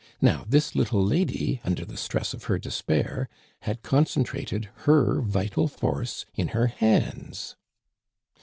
Now, this little lady, under the stress of her despair, had concentrated her vital force in her hands."